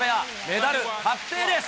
メダル確定です。